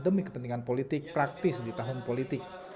demi kepentingan politik praktis di tahun politik